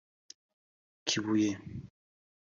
Kibuye